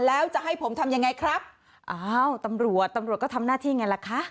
แล้วจะให้ผมทำยังไงครับอ้าวตำรวจตำรวจก็ทำหน้าที่ไงล่ะคะ